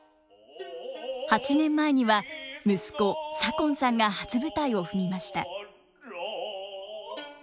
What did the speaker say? ８年前には息子左近さんが初舞台を踏みました。